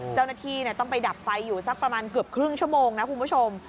เจ้าหน้าที่ต้องไปดับไฟอยู่สักประมาณเกือบครึ่งชั่วโมงนะคุณผู้ชม